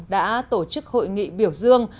đã tổ chức hội nghị biểu dương